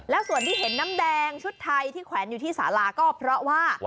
แล้วส่วนที่เห็นน้ำแดงชุดไทยที่แขวนอยู่ที่สาลาก็เพราะว่า